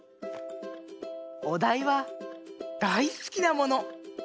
おだいはだいすきなもの！